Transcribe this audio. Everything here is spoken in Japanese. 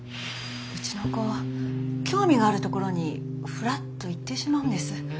うちの子興味があるところにふらっと行ってしまうんです。